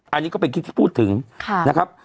อันนี้ก็เป็นคลิปที่พูดถึงนะครับ